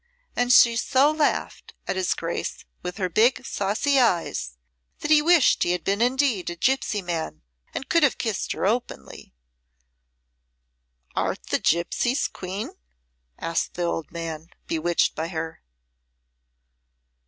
And she so laughed at his Grace with her big, saucy eyes, that he wished he had been indeed a gipsy man and could have kissed her openly. "Art the Gipsies' queen?" asked the old man, bewitched by her.